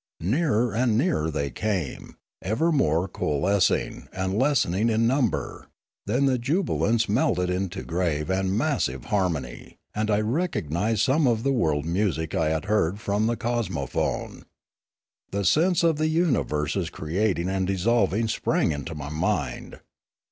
Nearer and nearer they came, ever more coalescing and lessening in num ber; then the jubilance melted into grave and massive harmony, and I recognised some of the world music I had heard from the cosmophone. The sense of uni verses creating and dissolving sprang into my mind.